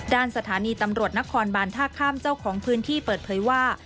ด้านสถานีตำรวจนครบานท่าข้ามเจ้าของพื้นที่เปิดเผยว่า